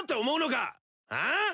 ああ？